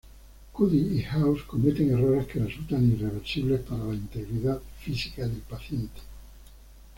Cuddy y House cometen errores que resultan irreversibles para la integridad física del paciente.